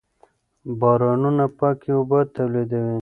بارانونه پاکې اوبه تولیدوي.